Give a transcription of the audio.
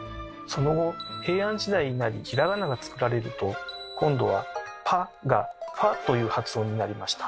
その後平安時代になりひらがなが作られると今度は「ぱ」が「ふぁ」という発音になりました。